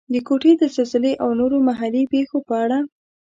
د کوټې د زلزلې او نورو محلي پېښو په اړه.